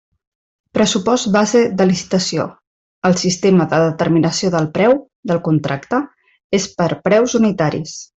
Pressupost base de licitació: el sistema de determinació del preu del contracte és per preus unitaris.